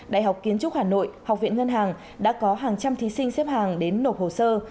đại học kiến trúc hà nội học viện ngân hàng đã có hàng trăm thí sinh xếp hàng đến nộp hồ sơ